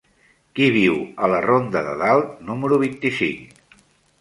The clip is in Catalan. Qui viu a la ronda de Dalt número vint-i-cinc?